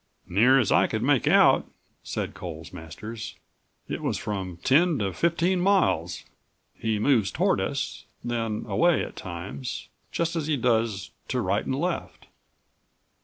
"Near as I could make out," said Coles Masters, "it was from ten to fifteen miles. He25 moves toward us, then away at times, just as he does to right and left."